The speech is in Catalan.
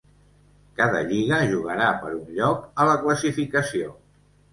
Cada lliga jugarà per un lloc a la classificació.